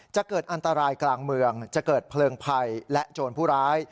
จะเกิดอันตรายกลางเมืองจะเกิดเพลิงภัยและโจรผู้ร้าย